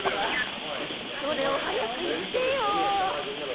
それを早く言ってよ。